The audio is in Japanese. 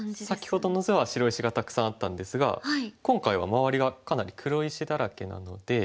先ほどの図は白石がたくさんあったんですが今回は周りがかなり黒石だらけなので。